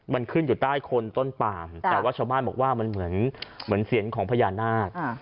มันขึ้นอยู่ใต้คนต้นปามแต่ว่าชาวบ้านบอกว่ามันเหมือนเสียงของพญานาค